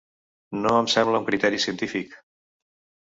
No em sembla un criteri científic.